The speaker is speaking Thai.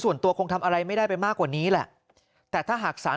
ส่วนตัวคงทำอะไรไม่ได้ไปมากกว่านี้แหละแต่ถ้าหากสาร